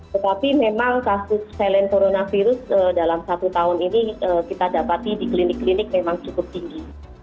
tetapi memang kasus valen coronavirus dalam satu tahun ini kita dapati di klinik klinik memang cukup tinggi